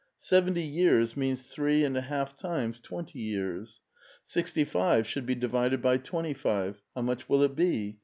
Seventv vears means three and a half times ft/ ftr *• twenty years. Sixty five should be divided by twenty five : how much will it be?